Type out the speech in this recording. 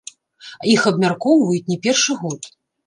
Іх абмяркоўваюць не першы год.